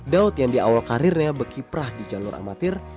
daud yang di awal karirnya berkiprah di jalur amatir